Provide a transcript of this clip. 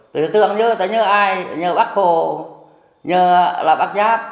từ từ không nhớ ta nhớ ai nhớ bác hồ nhớ là bác nháp